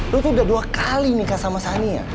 lu tuh udah dua kali nikah sama sani ya